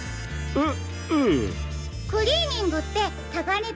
えっ？